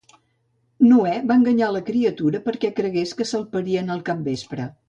Noè va enganyar la criatura perquè cregués que salparien al capvespre.